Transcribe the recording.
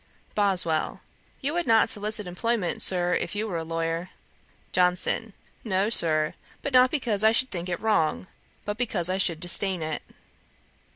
BOSWELL. 'You would not solicit employment, Sir, if you were a lawyer.' JOHNSON. 'No, Sir, but not because I should think it wrong, but because I should disdain it.'